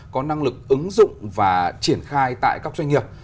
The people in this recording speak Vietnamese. có năng lực ứng dụng và triển khai tại các doanh nghiệp